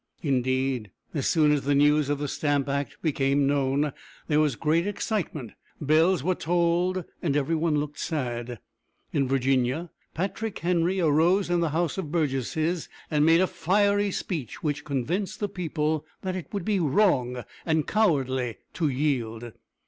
Indeed, as soon as the news of the Stamp Act became known, there was great excitement. Bells were tolled, and every one looked sad. In Virginia, Patrick Henry arose in the House of Burgesses, and made a fiery speech which convinced the people that it would be wrong and cowardly to yield.